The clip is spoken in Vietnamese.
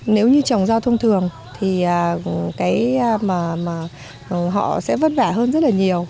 nếu như trồng rau thông thường thì họ sẽ vất vả hơn rất là nhiều